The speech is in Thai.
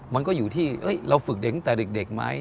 มันก็อยู่ที่เราฝึกเด็กตั้งแต่เด็กไหม